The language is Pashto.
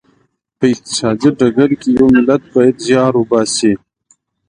په اقتصادي ډګر کې یو ملت باید زیار وباسي.